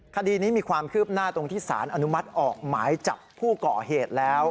คดีนี้มีความคืบหน้าตรงที่สารอนุมัติออกหมายจับผู้ก่อเหตุแล้ว